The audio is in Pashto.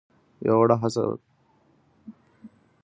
يوه وړه هڅه ده.